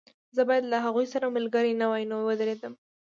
زه باید له هغوی سره ملګری نه وای نو ودرېدم